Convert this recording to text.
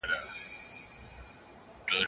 هر توري چي یې زما له شوګیری سره ژړله